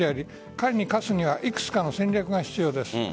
彼に勝つには幾つかの戦略が必要です。